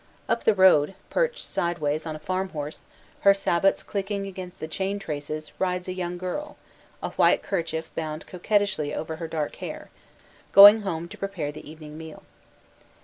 Up the road, perched sideways on a farm horse, her sabots click ing against the chain traces, rides a young girl, a white kerchief bound coquettishly over her dark hair; going home to prepare the evening meal.